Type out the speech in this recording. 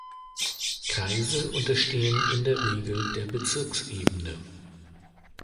Kreise unterstehen in der Regel der Bezirksebene.